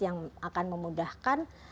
yang akan memudahkan